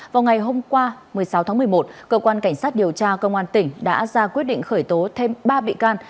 vào ngày hôm qua một mươi sáu tháng một mươi một cơ quan cảnh sát điều tra công an tỉnh đã ra quyết định khởi tố thêm ba bị can